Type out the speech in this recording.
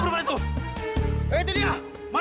tidak ada dia